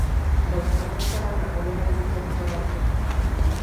Byl profesorem na univerzitě v Torontu.